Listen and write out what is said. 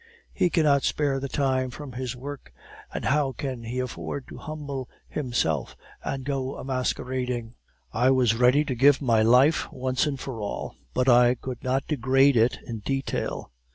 He cannot spare the time from his work, and how can he afford to humble himself and go a masquerading! I was ready to give my life once and for all, but I could not degrade it in detail.